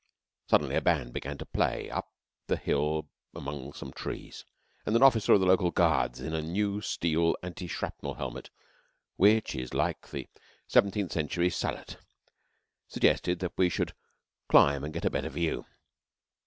Suddenly a band began to play up the hill among some trees; and an officer of local Guards in the new steel anti shrapnel helmet, which is like the seventeenth century sallet, suggested that we should climb and get a better view.